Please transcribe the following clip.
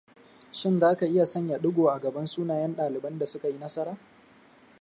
Shin za ka iya sanya digo a gaban sunayen ɗaliban da suka yi nasara?